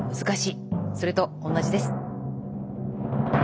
それと同じです。